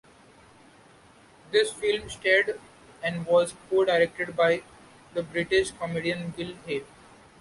This film starred, and was co-directed by, the British comedian Will Hay.